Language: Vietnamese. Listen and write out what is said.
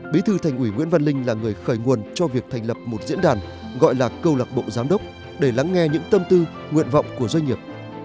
bí thư thành ủy nguyễn văn linh là người khởi nguồn cho việc thành lập một diễn đàn gọi là câu lạc bộ giám đốc để lắng nghe những tâm tư nguyện vọng của doanh nghiệp